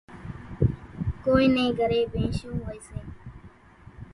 ڪونئين نين گھرين ڀينشون هوئيَ سي۔